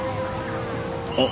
あっ。